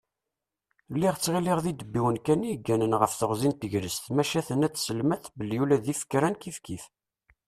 Lliɣ ttɣilliɣ d idebbiwen kan i yegganen ɣef teɣzi n tegrest, maca tenna-d tselmat belli ula d ifekran kifkif.